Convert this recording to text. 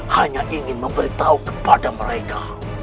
hanya ingin memberitahu kepada mereka